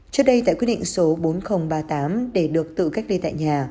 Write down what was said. trước đây tại quyết định số bốn nghìn ba mươi tám để được tự cách ly tại nhà